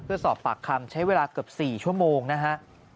เพื่อสอบปากคำใช้เวลาเกือบ๔ชั่วโมงนะฮะ